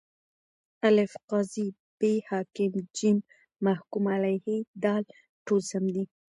الف: قاضي ب: حاکم ج: محکوم علیه د: ټوله سم دي.